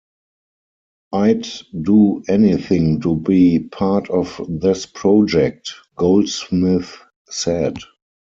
"I'd do anything to be part of this project," Goldsmith said.